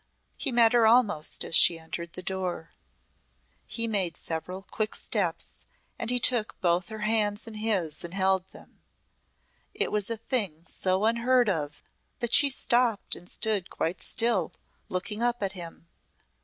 He met her almost as she entered the door. He made several quick steps and he took both her hands in his and held them. It was a thing so unheard of that she stopped and stood quite still, looking up at him.